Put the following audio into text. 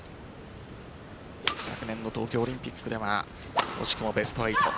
昨年の東京オリンピックでは惜しくもベスト８。